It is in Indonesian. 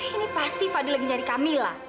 ini pasti fadil lagi nyari kamila